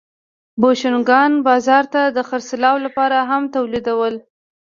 بوشونګانو بازار ته د خرڅلاو لپاره هم تولیدول